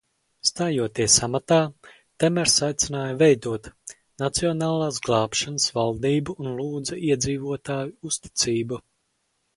"Stājoties amatā, Temers aicināja veidot "nacionālās glābšanas" valdību un lūdza iedzīvotāju uzticību."